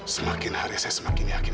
semakin hari saya semakin yakin